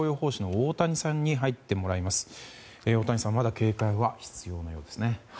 太谷さんまだ警戒は必要なんですね。